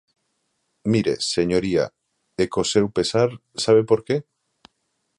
Mire, señoría, e co seu pesar, ¿sabe por que?